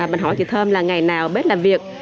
mình hỏi chị thơm là ngày nào biết làm việc